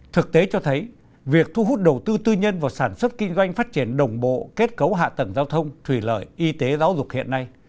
thực tế cho thấy việc thu hút đầu tư tư nhân vào sản xuất kinh doanh phát triển đồng bộ kết cấu hạ tầng giao thông thủy lợi y tế giáo dục hiện nay